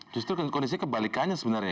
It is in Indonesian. justru kondisi kebalikannya sebenarnya